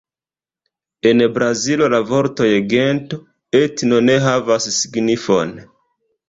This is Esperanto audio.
En Brazilo la vortoj gento, etno ne havas signifon.